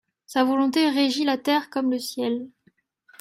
Sa volonté régit la terre comme le ciel.